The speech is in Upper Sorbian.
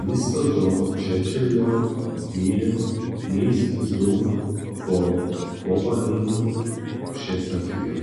Město toho přećeljo meje mejski zdónk po powalenju přesadźuja.